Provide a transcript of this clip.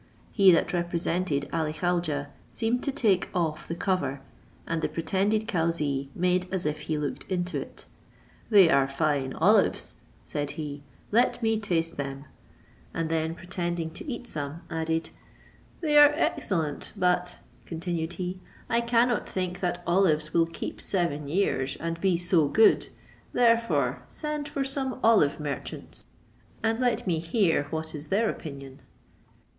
He that represented Ali Khaujeh seemed to take off the cover, and the pretended cauzee made as if he looked into it. "They are fine olives," said he, "let me taste them;" and then pretending to eat some, added, "They are excellent: but," continued he, "I cannot think that olives will keep seven years, and be so good, therefore send for some olive merchants, and let me hear what is their opinion."